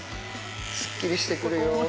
すっきりしてくるよ。